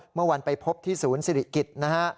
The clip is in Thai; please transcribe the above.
เมื่อวันไปพบที่ศูนย์ศิริกิจนะฮะ